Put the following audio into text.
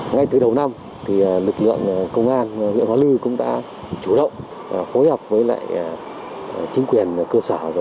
ngay từ đầu năm lực lượng công an lực lượng hóa lưu cũng đã chủ động phối hợp với chính quyền cơ sở